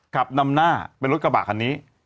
ขับนำหน้าเป็นรถกระบะคันนี้